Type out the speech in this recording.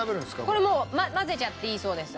これもう混ぜちゃっていいそうです。